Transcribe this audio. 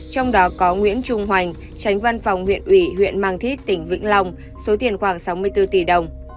trong đó có nguyễn trung hoành tránh văn phòng huyện ủy huyện mang thít tỉnh vĩnh long số tiền khoảng sáu mươi bốn tỷ đồng